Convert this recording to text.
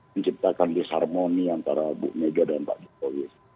menciptakan disharmoni antara bu mega dan pak jokowi